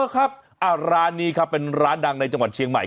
อ้อครับอ้ารานนี้ค่ะเหมือนเป็นร้านดังในจังหวัดเชียงใหม่